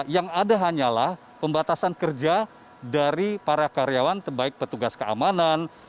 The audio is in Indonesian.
yang ada hanyalah pembatasan kerja dari para karyawan terbaik petugas keamanan